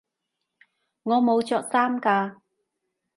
我冇着衫㗎